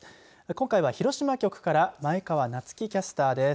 今回は広島局から前川夏生キャスターです。